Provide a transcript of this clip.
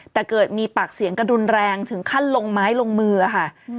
แต่เกิดมีปากเสียงกระดุนแรงถึงขั้นลงไม้ลงมือค่ะ